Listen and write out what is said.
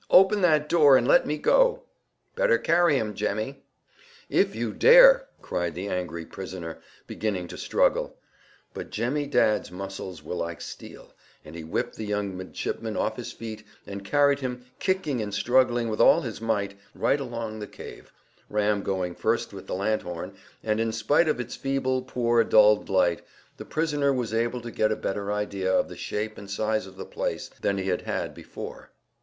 "Open that door, and let me go." "Better carry him, Jemmy." "If you dare!" cried the angry prisoner, beginning the struggle, but Jemmy Dadd's muscles were like steel, and he whipped the young midshipman off his feet, and carried him, kicking and struggling with all his might, right along the cave, Ram going first with the lanthorn; and in spite of its feeble, poor, dulled light, the prisoner was able to get a better idea of the shape and size of the place than he had had before.